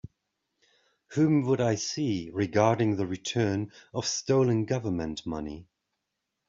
Whom would I see regarding the return of stolen Government money?